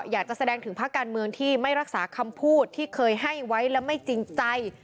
อยากจะแสดงถึงภาคการเมืองที่ไม่รักษาคำพูดที่เคยให้ไว้และไม่จริงใจ